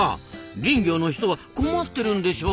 林業の人は困ってるんでしょ？